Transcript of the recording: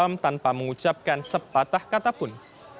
barada e juga menyebutkan sepatah kata pun